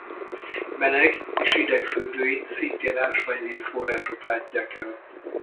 Meleg és hidegfürdőit szintén ásványviz források látják el.